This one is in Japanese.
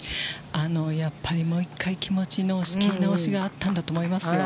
やっぱりもう１回、気持ちの仕切り直しがあったんだと思いますよ。